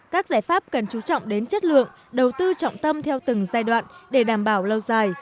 các giải pháp cần chú trọng đến chất lượng đầu tư trọng tâm theo từng giai đoạn để đảm bảo lâu dài